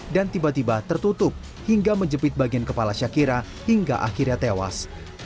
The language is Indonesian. dan tiba tiba tertutup hingga menjepit bagian kepala siakira hingga akhirnya tewas